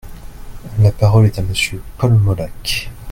La parole est à Monsieur Paul Molac.